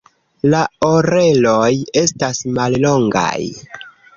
La oreloj estas mallongaj.